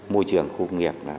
môi trường khu công nghiệp